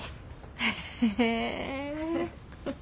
へえ。